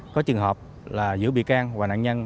có trường hợp là giữa bị can và nạn nhân